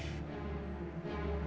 dan setelah semua terungkap